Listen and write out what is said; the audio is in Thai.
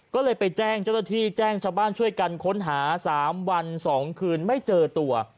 ก็เลยไปแจ้งเจ้าหน้าที่แจ้งชาวบ้านช่วยกันค้นหา๓วัน๒คืนไม่เจอตัว